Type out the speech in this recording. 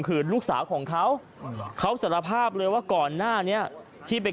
คืนลูกสาวของเขาเขาสารภาพเลยว่าก่อนหน้านี้ที่ไป